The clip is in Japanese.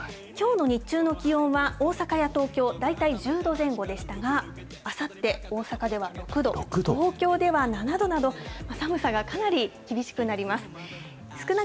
きょうの日中の気温は大阪や東京、大体１０度前後でしたが、あさって、大阪では６度、東京では７度など、寒さがかなり厳しくなります。